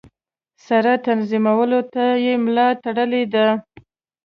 سره تنظیمولو ته یې ملا تړلې ده.